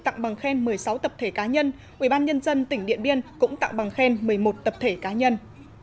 tặng bằng khen một mươi sáu tập thể cá nhân ubnd tỉnh điện biên cũng tặng bằng khen một mươi một tập thể cá nhân